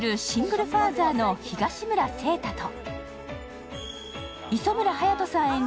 シングルファーザーの東村晴太と磯村勇斗さん